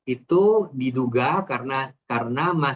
itu diduga karena